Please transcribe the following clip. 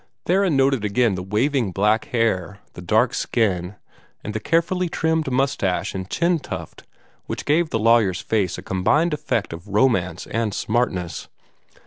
Theron noted again the waving black hair, the dark skin, and the carefully trimmed mustache and chin tuft which gave the lawyer's face a combined effect of romance and smartness.